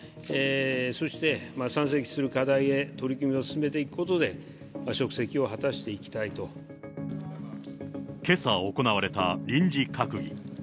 そして山積する課題へとりくみをすすめていくことで職責を果たしけさ行われた臨時閣議。